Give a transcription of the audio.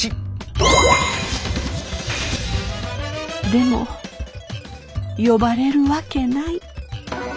でも呼ばれるわけない。